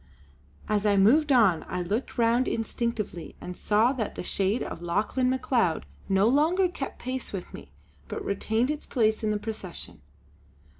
As I moved on, I looked round instinctively and saw that the shade of Lauchlane Macleod no longer kept pace with me, but retained its place in the procession.